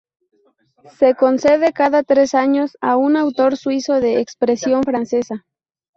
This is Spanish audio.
Se concede cada tres años a un autor suizo de expresión francesa.